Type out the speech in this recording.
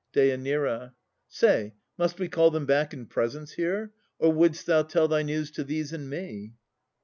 DÊ. Say, must we call them back in presence here, Or would'st thou tell thy news to these and me?